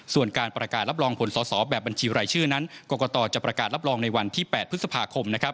ส่วนการประกาศรับรองผลสอบแบบบัญชีรายชื่อนั้นกรกตจะประกาศรับรองในวันที่๘พฤษภาคม